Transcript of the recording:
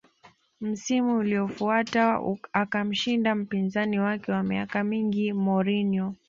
Msimu uliofuata akamshinda mpinzani wake wa miaka mingi Mourinho